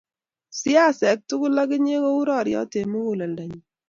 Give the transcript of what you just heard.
saiasiek tugul ak inye ko u rariet ab muguleldo nyu